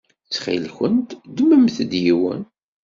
Ttxil-kent ddmemt-d yiwen.